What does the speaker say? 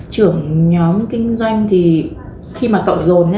trưởng nhóm kinh doanh thì khi mà cộng rồn